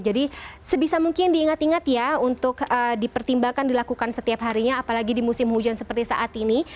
jadi sebisa mungkin diingat ingat ya untuk dipertimbangkan dilakukan setiap harinya apalagi di musim hujan seperti saat ini